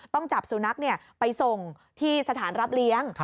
ต้องจับสุนัขไปส่งที่สถานรับเลี้ยง